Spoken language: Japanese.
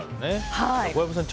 小籔さん